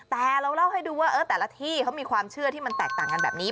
แต่เราเล่าให้ดูว่าแต่ละที่เขามีความเชื่อที่มันแตกต่างกันแบบนี้